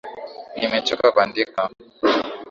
Nimechocka kuandika